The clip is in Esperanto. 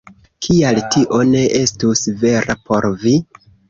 Kial tio ne estus vera por vi?